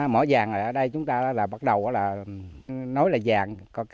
mở vàng ở đây chúng ta là bắt đầu là nói là vàng